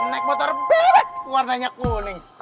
naik motor belek warnanya kuning